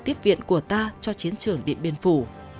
tiếp viện của ta cho chiến trường điện biên phủ